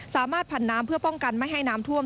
ผ่านน้ำเพื่อป้องกันไม่ให้น้ำท่วม